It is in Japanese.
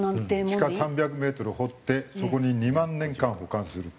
地下３００メートル掘ってそこに２万年間保管するっていう。